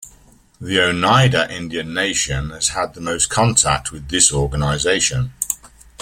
The Oneida Indian Nation has had the most contact with this organization.